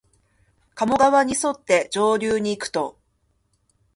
加茂川にそって上流にいくと、